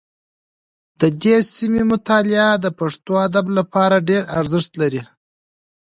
د دې سیمې مطالعه د پښتو ادب لپاره ډېر ارزښت لري